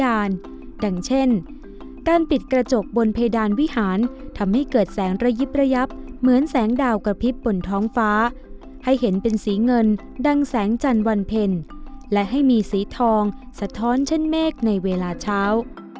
ดังเช่นการปิดกระจกบนเพดานวิหารทำให้เกิดแสงระยิบระยับเหมือนแสงดาวกระพริบบนท้องฟ้าให้เห็นเป็นสีเงินดังแสงจันทร์วันเพ็ญและให้มีสีทองสะท้อนเช่นเมฆในเวลาเช้า